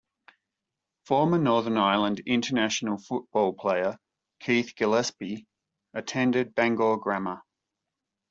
Former Northern Ireland International football player Keith Gillespie attended Bangor Grammar.